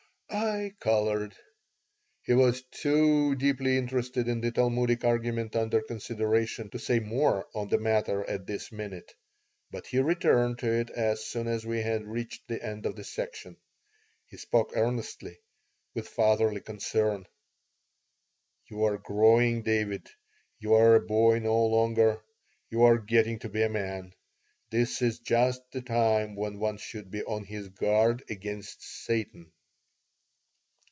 I colored He was too deeply interested in the Talmudic argument under consideration to say more on the matter at this minute, but he returned to it as soon as we had reached the end of the section. He spoke earnestly, with fatherly concern: "You are growing, David. You are a boy no longer. You are getting to be a man. This is just the time when one should be on his guard against Satan."